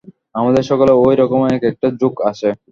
আমাদের সকলেরই ঐ রকম এক-একটা ঝোঁক আছে।